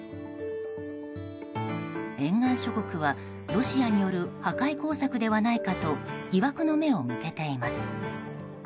沿岸諸国はロシアによる破壊工作ではないかと疑惑の目を向けています。